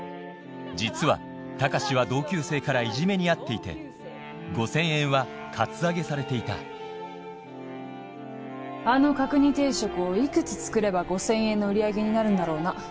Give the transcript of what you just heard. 実は高志は同級生からいじめに遭っていて５０００円はカツアゲされていたあの角煮定食をいくつ作れば５０００円の売り上げになるんだろうな。